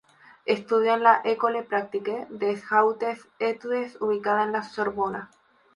Estudio en la École Pratique des Hautes Études ubicada en la Sorbona.